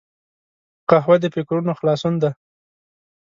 قهوه د فکرونو خلاصون دی